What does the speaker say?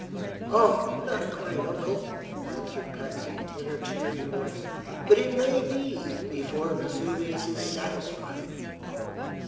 "Oh, not quite, Uncle," answered Patsy, in her cheery voice; "but it may be, before Vesuvius is satisfied."